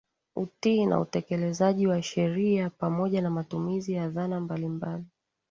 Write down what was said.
Utii na utekelezaji wa sheria pamoja na matumizi ya dhana mbalimbali